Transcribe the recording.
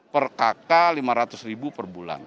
per kk rp lima ratus per bulan